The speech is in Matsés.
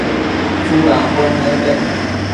Tsudambuen nepec ?